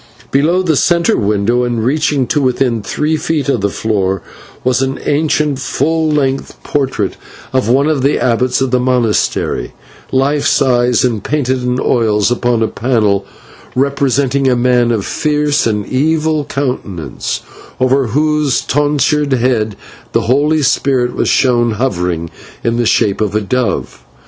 Below the centre window, and reaching to within three feet of the floor, was an ancient full length portrait of one of the abbots of the monastery, life size and painted in oils upon a panel, representing a man of fierce and evil countenance, over whose tonsured head the Holy Spirit was shown hovering in the shape of a dove.